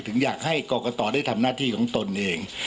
ถึงอยากให้กรกตได้ทำหน้าที่ของตนเอง